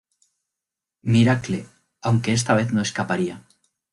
Miracle, aunque esta vez no escaparía.